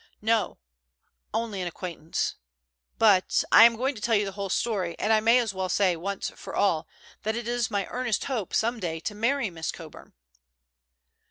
"No, only an acquaintance, but—I'm going to tell you the whole story, and I may as well say, once for all, that it is my earnest hope some day to marry Miss Coburn."